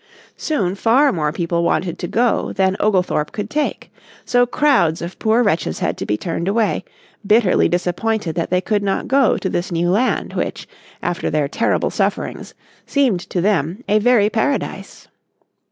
Soon far more people wanted to go than Oglethorpe could take. So crowds of poor wretches had to be turned away, bitterly disappointed that they could not go to this new land which, after their terrible sufferings, seemed to them a very paradise.